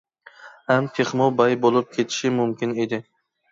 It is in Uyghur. ھەم تېخىمۇ باي بولۇپ كېتىشى مۇمكىن ئىدى.